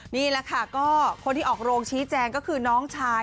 นี่แหละค่ะก็คนที่ออกโรงชี้แจงก็คือน้องชาย